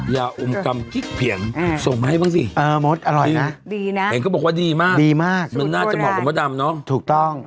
ยาอมกำกิ๊กเพียงส่งมาให้บ้างสิดีนะดีมากมันน่าจะเหมาะกับมะดำเนอะถูกต้อง